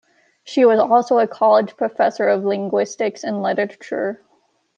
She was also a college professor of linguistics and literature.